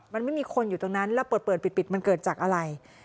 มันไม่มีคนอยู่ตรงนั้นแล้วเปิดเปิดปิดมันเกิดจากอะไร